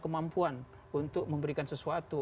kemampuan untuk memberikan sesuatu